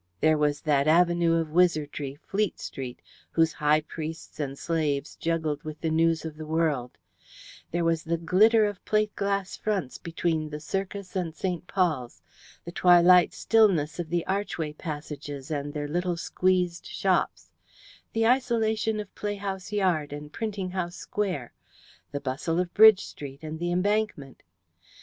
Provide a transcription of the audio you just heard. There was that avenue of wizardry, Fleet Street, whose high priests and slaves juggled with the news of the world; there was the glitter of plate glass fronts between the Circus and St. Paul's, the twilight stillness of the archway passages and their little squeezed shops, the isolation of Play House Yard and Printing House Square, the bustle of Bridge Street, and the Embankment.